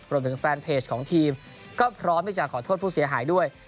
รวมถึงแฟนเพจของทีมก็พร้อมที่จะขอโทษผู้เสียหายด้วย